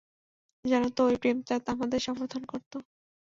জানো তো, ওই প্রেমচাঁদ আমাদের সমর্থন করত।